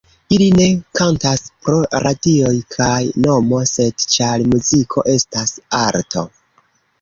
Ili ne kantas pro radioj kaj nomo sed ĉar muziko estas arto.